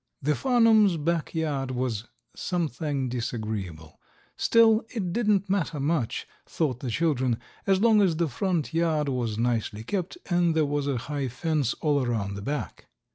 The Farnum's back yard was something disagreeable. Still it didn't matter much, thought the children, as long as the front yard was nicely kept and there was a high fence all around the back.